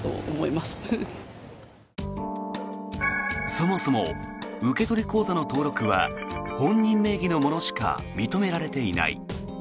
そもそも受取口座の登録は本人名義のものしか認められていない。